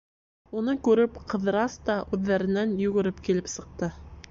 Уны күреп, Ҡыҙырас та үҙҙәренән йүгереп килеп сыҡты.